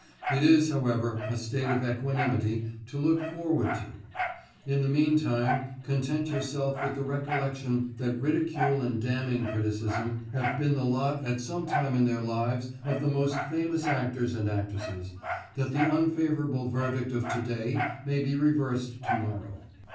It is, however, a state of equanimity to look forward to. In the meantime, content yourself with the recollection that ridicule and damning criticism have been the lot at some time in their lives of the most famous actors and actresses, that the unfavourable verdict of to day may be reversed to morrow.